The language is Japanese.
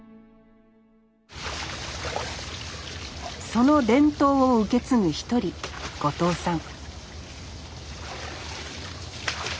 その伝統を受け継ぐ一人後藤さん